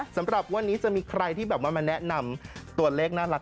สำหรับวันนี้จะมีใครที่แบบว่ามาแนะนำตัวเลขน่ารัก